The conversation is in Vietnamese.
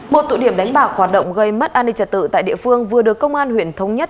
một tụ điểm đánh bạc hoạt động gây mất an ninh trật tự tại địa phương vừa được công an huyện thống nhất